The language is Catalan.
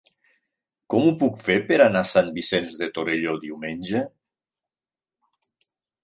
Com ho puc fer per anar a Sant Vicenç de Torelló diumenge?